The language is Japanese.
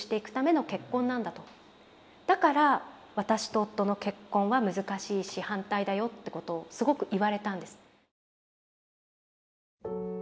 だから私と夫の結婚は難しいし反対だよってことをすごく言われたんです。